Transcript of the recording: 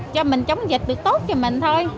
cho mình chống dịch được tốt cho mình thôi